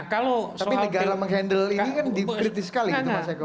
tapi negara menghandle ini kan dikritis sekali gitu mas eko